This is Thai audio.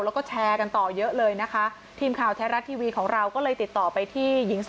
แล้วก็แชร์กันต่อเยอะเลยนะคะทีมข่าวแท้รัฐทีวีของเราก็เลยติดต่อไปที่หญิงสาว